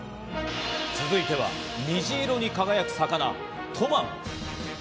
続いては、虹色に輝く魚・トマン。